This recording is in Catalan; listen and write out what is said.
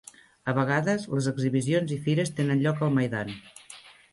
A vegades, les exhibicions i fires tenen lloc al maidan.